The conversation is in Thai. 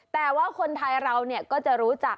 แต่ว่าคนไทยเราก็จะรู้จัก